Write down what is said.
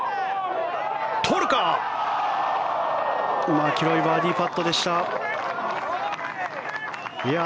マキロイバーディーパットでした。